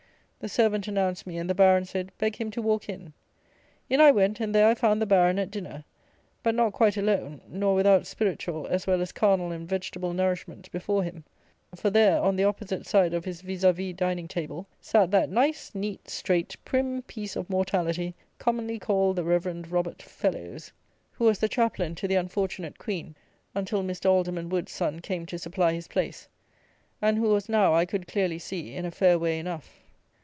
The servant announced me, and the Baron said, "Beg him to walk in." In I went, and there I found the Baron at dinner; but not quite alone; nor without spiritual as well as carnal and vegetable nourishment before him: for, there, on the opposite side of his vis à vis dining table, sat that nice, neat, straight, prim piece of mortality, commonly called the Reverend Robert Fellowes, who was the Chaplain to the unfortunate Queen until Mr. Alderman Wood's son came to supply his place, and who was now, I could clearly see, in a fair way enough.